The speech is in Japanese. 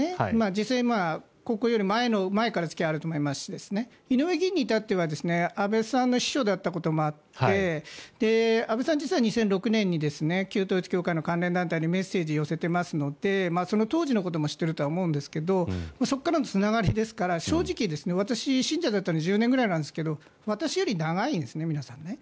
実際にここより前から付き合われていたと思いますし井上議員に至っては安倍さんの秘書だったこともあって安倍さん、実は２００６年に旧統一教会の関連団体にメッセージを寄せていますのでその当時のことも知っているとは思うんですがそこからのつながりですから正直、私、信者だったのが１０年ぐらいだったんですが私より長いんです、皆さん。